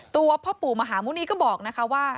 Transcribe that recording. ตัวเพราะปู่มหาภาษณ์มุนนี้ก็บอกนะค่ะว่า